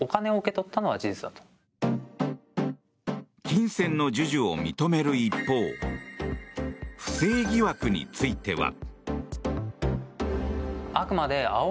金銭の授受を認める一方不正疑惑については。